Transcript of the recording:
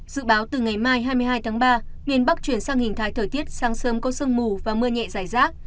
dự báo từ ngày mai hai mươi hai tháng ba miền bắc chuyển sang hình thái thời tiết sáng sớm có sương mù và mưa nhẹ dài rác